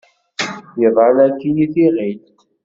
Iḍall akkin i tiɣilt.